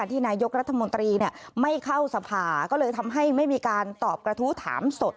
ที่นายกรัฐมนตรีไม่เข้าสภาก็เลยทำให้ไม่มีการตอบกระทู้ถามสด